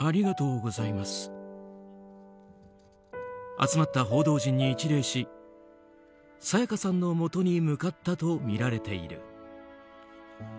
集まった報道陣に一礼し沙也加さんのもとに向かったとみられている。